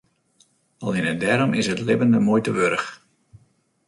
Allinne dêrom is it libben de muoite wurdich.